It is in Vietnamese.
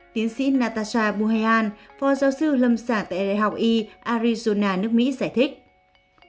tiến sĩ natasha buheyan phó giáo sư lâm sản tại đại học e arizona nước mỹ giải thích